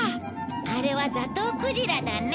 あれはザトウクジラだね。